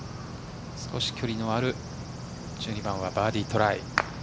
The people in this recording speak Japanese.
少し距離のある１２番はバーディートライ。